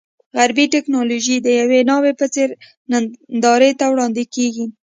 غربي ټکنالوژي د یوې ناوې په څېر نندارې ته وړاندې کېږي.